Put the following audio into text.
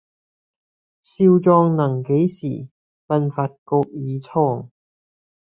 少壯能几時，鬢發各已蒼。